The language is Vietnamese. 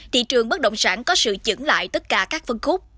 thị trường bất động sản có sự chững lại tất cả các phân khúc